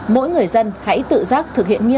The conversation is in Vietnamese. mỗi người dân hãy tự giác thực hiện nghiêm